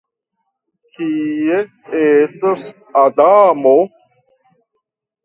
Kie estas Adamo?